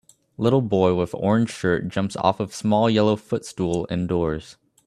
Little boy with orange shirt jumps off of small yellow foot stool indoors